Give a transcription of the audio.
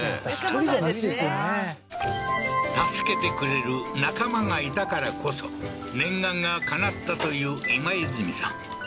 助けてくれる仲間がいたからこそ念願が叶ったという今泉さん